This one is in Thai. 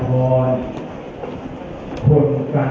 ขอบคุณครับ